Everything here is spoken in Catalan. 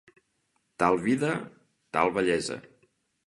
Tal vida, tal vellesa.